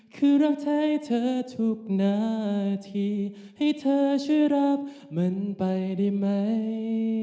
คือรับใช้เธอทุกนาทีให้เธอช่วยรับมันไปได้ไหม